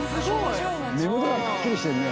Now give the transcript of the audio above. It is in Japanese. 目元がくっきりしてるね。